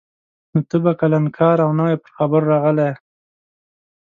نو ته به کلنکار او نوی پر خبرو راغلی یې.